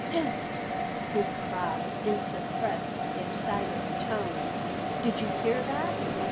"Hist!" he cried in suppressed, excited tones. "Did you hear that?"